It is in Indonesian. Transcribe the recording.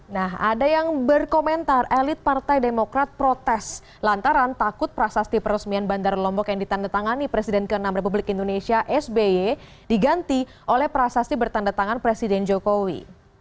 nah ada yang berkomentar elit partai demokrat protes lantaran takut prasasti peresmian bandara lombok yang ditandatangani presiden ke enam republik indonesia sby diganti oleh prasasti bertanda tangan presiden jokowi